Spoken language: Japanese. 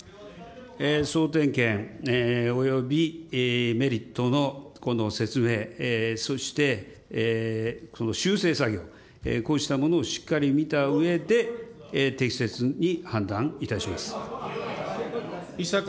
総点検およびメリットの説明、そして、修正作業、こうしたものをしっかり見たうえで、適切に判断いたします。